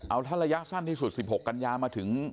เอาถ้าระยะสั้นที่สุด๑๖กันยามาถึง